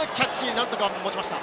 何とか持ちました。